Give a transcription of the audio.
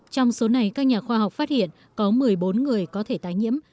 trong số này các nhà khoa học phát hiện có một mươi bốn người có thể tái nhiễm